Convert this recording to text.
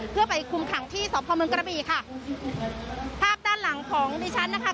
เพื่อไปคุมขังที่สพเมืองกระบีค่ะภาพด้านหลังของดิฉันนะคะ